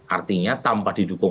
artinya tanpa didukung